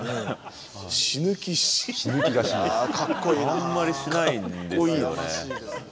あんまりしないんですよね。